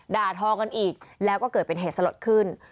ด่าทอกันอีกแล้วก็เกิดเป็นเหตุสลดขึ้น